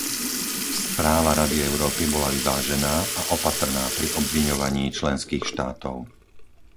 Správa Rady Európy bola vyvážená a opatrná pri obviňovaní členských štátov.